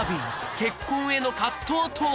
結婚への葛藤とは？